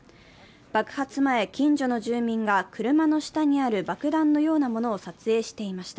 爆発前、近所の住民が車の下にある爆弾のようなものを撮影していました。